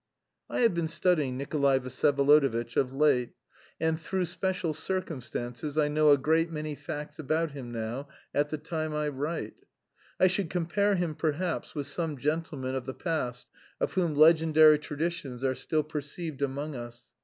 I have been studying Nikolay Vsyevolodovitch of late, and through special circumstances I know a great many facts about him now, at the time I write. I should compare him, perhaps, with some gentlemen of the past of whom legendary traditions are still perceived among us.